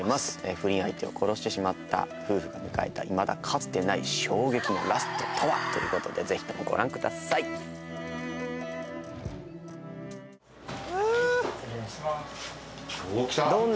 不倫相手を殺してしまった夫婦が迎えたいまだかつてない衝撃のラストとは？ということでぜひともご覧ください。来た！